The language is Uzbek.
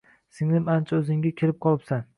Singlim ancha o`zingga kelib qolibsan